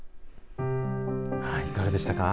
いかがでしたか。